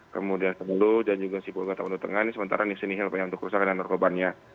kemudian ke belu dan juga sibulga tengah ini sementara di sinihil untuk kerusakan dan nerobannya